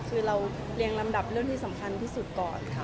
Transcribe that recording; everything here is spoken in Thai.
คือเราเรียงลำดับเรื่องที่สำคัญที่สุดก่อนค่ะ